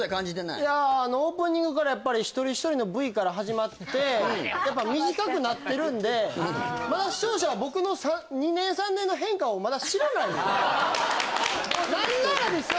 いやあのオープニングからやっぱり一人一人のＶから始まってやっぱ短くなってるんでまだ視聴者は僕の２年３年の変化をまだ知らない何ならですよ